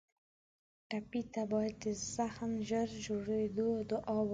ټپي ته باید د زخم ژر جوړېدو دعا وکړو.